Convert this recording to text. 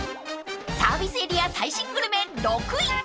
［サービスエリア最新グルメ６位］